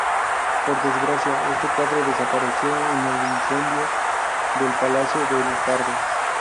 Por desgracia este cuadro desapareció en el incendio del Palacio del Pardo.